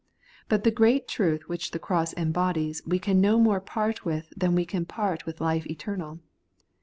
But the great truth which the cross embodies we can no more part with than we can part with life eternal.